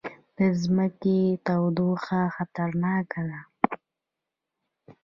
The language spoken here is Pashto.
د ځمکې تودوخه خطرناکه ده